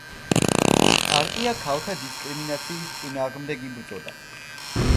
პარტია ქალთა დისკრიმინაციის წინააღმდეგ იბრძოდა.